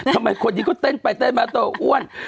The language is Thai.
ทำไมคนนี้ก็เต้นไปเต้นมาโตอ้วน